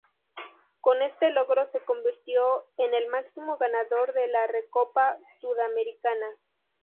Con este logro se convirtió en el máximo ganador de la Recopa Sudamericana.